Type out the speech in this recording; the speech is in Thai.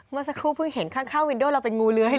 เมื่อสักครู่เพิ่งเห็นข้างวินโดเราเป็นงูเลื้อให้เลย